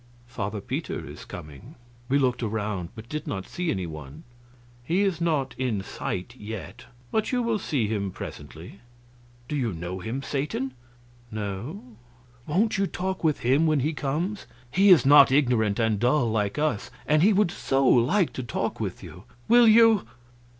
Father Peter is coming." We looked around, but did not see any one. "He is not in sight yet, but you will see him presently." "Do you know him, Satan?" "No." "Won't you talk with him when he comes? He is not ignorant and dull, like us, and he would so like to talk with you. Will you?"